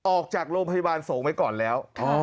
ออกจากโรงพยาบาลสงฆ์ไว้ก่อนแล้ว